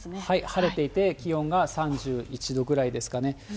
晴れていて、気温が３１度ぐらいですかね。